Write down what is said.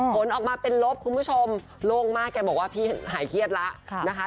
ผลออกมาเป็นลบคุณผู้ชมโล่งมากแกบอกว่าพี่หายเครียดแล้วนะคะ